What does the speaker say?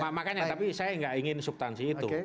ya makanya tapi saya tidak ingin subtansi itu